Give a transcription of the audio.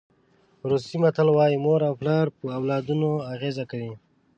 روسي متل وایي مور او پلار په اولادونو اغېزه کوي.